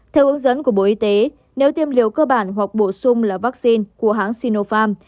theo hướng dẫn của bộ y tế nếu tiêm liều cơ bản hoặc bổ sung là vaccine của hãng sinopharm